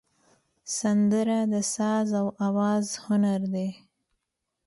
سندره د ساز او آواز هنر دی